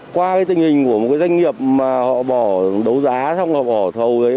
qua tình hình của một doanh nghiệp mà họ bỏ đấu giá xong rồi bỏ thầu ấy